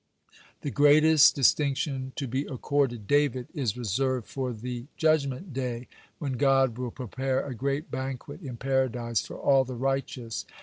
(128) The greatest distinction to be accorded David is reserved for the judgment day, when God will prepare a great banquet in Paradise for all the righteous.